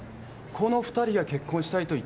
この２人が結婚したいと言ってると？